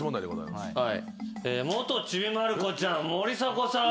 元ちびまる子ちゃん森迫さん。